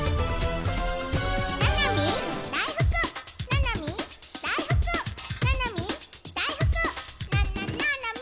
「ななみだいふくななみだいふく」「ななみだいふくななななみ」